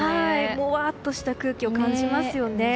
もわっとした空気を感じますよね。